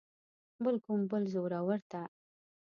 بل کوم بل زورور ته.